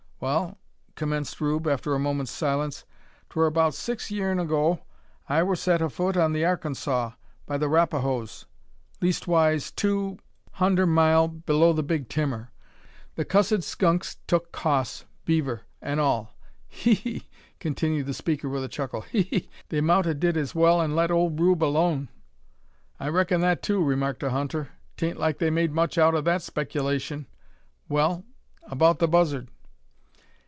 "Wal," commenced Rube, after a moment's silence, "'twur about six yeern ago, I wur set afoot on the Arkansaw, by the Rapahoes, leastwise two hunder mile below the Big Timmer. The cussed skunks tuk hoss, beaver, an' all. He! he!" continued the speaker with a chuckle; "he! he! they mout 'a did as well an' let ole Rube alone." "I reckon that, too," remarked a hunter. "'Tain't like they made much out o' that speckelashun. Well about the buzzard?"